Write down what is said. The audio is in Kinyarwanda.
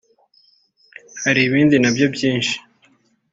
hari ibindi na byo byinshi